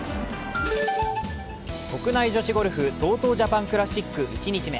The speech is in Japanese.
国内女子ゴルフＴＯＴＯジャパンクラシック１日目。